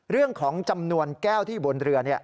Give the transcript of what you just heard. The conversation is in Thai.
เรื่องของจำนวนแก้วที่อยู่บนเรือ